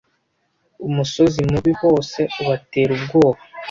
umusozi mubi bose ubatera ubwoba